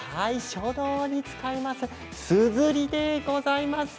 書道に使います